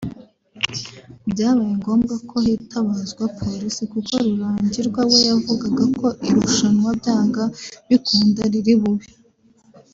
Byabaye ngombwa ko hitabazwa polisi kuko Rurangirwa we yavugaga ko irushanwa byanga bikunda riri bube